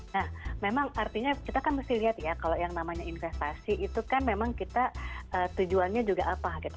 nah memang artinya kita kan mesti lihat ya kalau yang namanya investasi itu kan memang kita tujuannya juga apa gitu